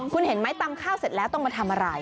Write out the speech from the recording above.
คุณเห็นไหมตำข้าวเสร็จแล้วต้องมาทำอะไร